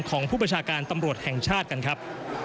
ของผู้ประชาการตำรวจแห่งชาติกันครับ